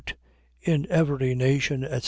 In every nation, etc.